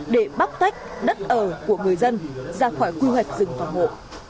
để bóc tách đất ở của người dân ra khỏi quy hoạch rừng phòng hộ